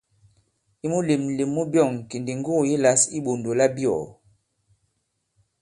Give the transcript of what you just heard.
I mulèmlèm mu byɔ̑ŋ kì ndi ŋgugù yi lǎs i iɓɔ̀ndò labyɔ̀ɔ̀.